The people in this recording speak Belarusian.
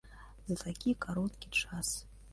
За такі кароткі час.